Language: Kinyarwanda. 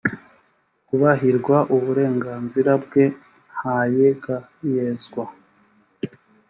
kubahirwa uburenganzira bwe ntayegayezwa